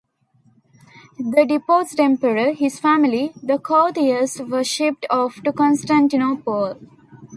The deposed emperor, his family, and courtiers were shipped off to Constantinople.